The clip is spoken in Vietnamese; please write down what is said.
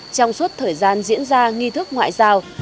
trong suốt thời gian diễn ra nghi thức ngoại giao